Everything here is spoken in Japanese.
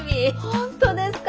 本当ですか？